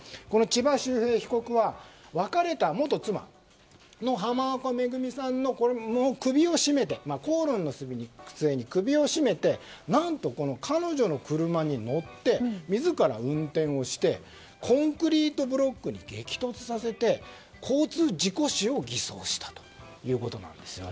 千葉修平被告は別れた元妻の浜岡恵さんのこれも口論の末に首を絞めて何と彼女の車に乗って自ら運転をしてコンクリートブロックに激突させて、交通事故死を偽装したということなんです。